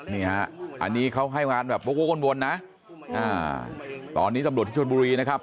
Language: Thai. นี่ฮะอันนี้เขาให้งานแบบวกวนนะตอนนี้ตำรวจที่ชนบุรีนะครับ